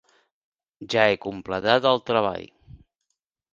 Ja he completat el treball.